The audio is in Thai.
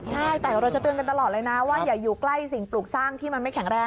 ใช่แต่เราจะเตือนกันตลอดเลยนะว่าอย่าอยู่ใกล้สิ่งปลูกสร้างที่มันไม่แข็งแรง